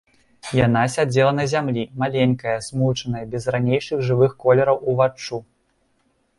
Яна сядзела на зямлі, маленькая, змучаная, без ранейшых жывых колераў уваччу.